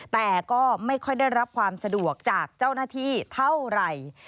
แต่ก็ไม่ค่อยได้รับความสะดวกจากเจ้าหน้าที่เท่าไหร่